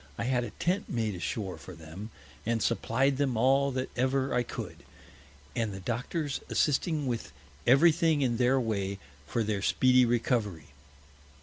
I had a Tent made ashore for them, and supplied them all that ever I could, and the Doctors assisting with every thing in their Way for their speedy Recovery.